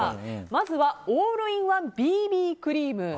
まずはオールインワンＢＢクリーム。